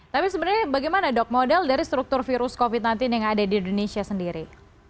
tapi sebenarnya bagaimana dok model dari struktur virus covid sembilan belas yang ada di indonesia sendiri